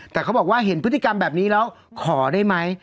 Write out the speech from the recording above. แต่เขาบอกว่าเห็นพฤติกรรมแบบนี้แล้วขอได้ไหม